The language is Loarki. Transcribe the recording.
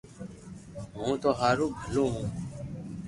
ھون ٿو ھارون ڀلو ھون